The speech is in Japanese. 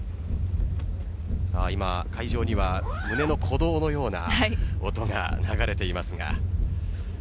今、会場には胸の鼓動のような音が流れていますが。